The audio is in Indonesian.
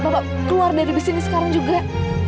bapak keluar dari bis ini sekarang juga